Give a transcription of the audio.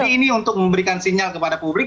jadi ini untuk memberikan sinyal kepada publik